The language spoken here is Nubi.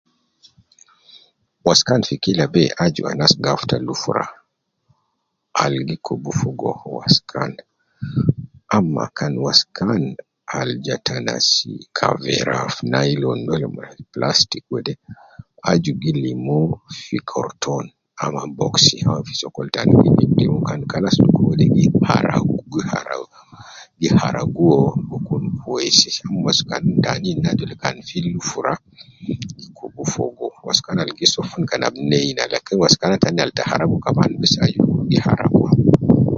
Waskan fi kila be, aju anas gi afta lufura, al gi kubu fogo waskan, ama kan waskan al ja ta nasi kavera, nylon, wede nas plastic wede aju gi limu fi korton ama boxi ama fi sokol tan, kan kalas dukur wede gi haragu, gi haragu uwo gi kun kwesi, waskan tanin aju kan fi lufura kubu fogo waskan al gi sofun kalam nei na lakin waskana tan al ta haragu kaman bes aju gi haragu